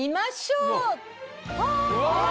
うわ！